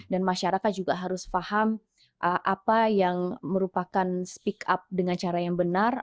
dan masyarakat juga harus paham apa yang merupakan speak up dengan cara yang benar